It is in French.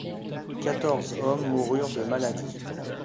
Quatorze hommes moururent de maladie.